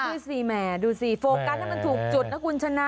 คัดคือสี่แหมดูสิโฟกัสถ้ามันถูกจุดถ้าคุณชนะ